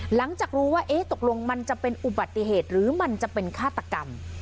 หลังจากรู้ว่าตกลงมันจะเป็นอุบัติเหตุหรือมันจะเป็นฆาตกรรม